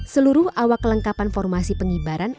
seluruh awak kelengkapan formasi pengibaran